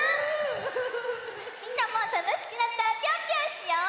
みんなもたのしくなったらぴょんぴょんしよう！